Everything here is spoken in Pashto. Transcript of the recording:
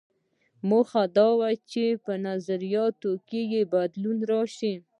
موخه دا وه چې په نظریاتو کې یې بدلون راشي.